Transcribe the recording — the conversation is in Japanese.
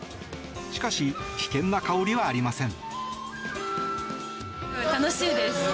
しかし危険な香りはありません。